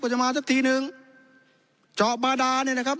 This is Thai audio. จะมาสักทีนึงเจาะบาดาเนี่ยนะครับ